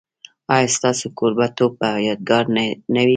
ایا ستاسو کوربه توب به یادګار نه وي؟